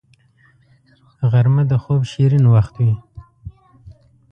غرمه د خوب شیرین وخت وي